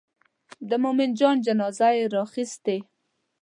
د مومن جان جنازه یې راخیستې.